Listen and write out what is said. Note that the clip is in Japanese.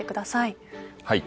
はい。